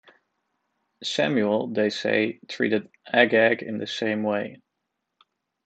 Samuel, they say, treated Agag in the same way.